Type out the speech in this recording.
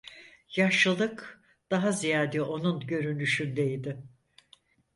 Yaşlılık daha ziyade onun görünüşündeydi.